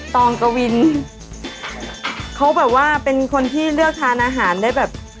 ตองกวินเขาแบบว่าเป็นคนที่เลือกทานอาหารได้แบบ